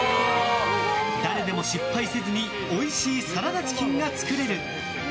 誰でも失敗せずにおいしいサラダチキンが作れる。